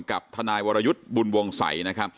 กับธนายวรยุทธ์บุญวงศัย